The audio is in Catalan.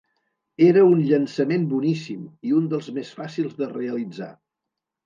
Era un llançament boníssim i un dels més fàcils de realitzar.